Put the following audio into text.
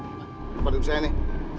tempat duduk saya nih